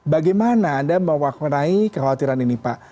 bagaimana anda mewakinai kekhawatiran ini pak